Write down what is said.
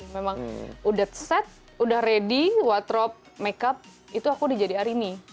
memang udah set udah ready what's up make up itu aku udah jadi arini